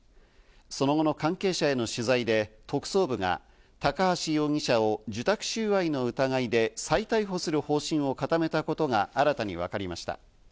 その後の関係者への取材で、特捜部が高橋容疑者を受託収賄の疑いで再逮捕する方針を固めたことが新たに分かりました。